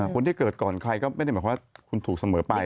คนที่เกิดก่อนใครก็ไม่ได้หมายความว่าคุณถูกเสมอไป